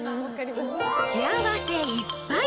幸せいっぱい！